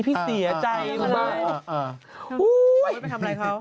พี่เสียใจ